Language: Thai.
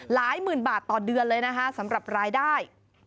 หลายหมื่นบาทต่อเดือนเลยนะคะสำหรับรายได้